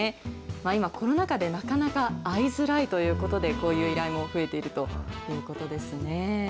今、コロナ禍でなかなか会いづらいということで、こういう依頼も増えているということですね。